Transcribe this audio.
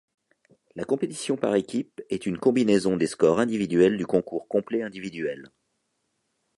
La compétition par équipe est une combinaison des scores individuels du concours complet individuel.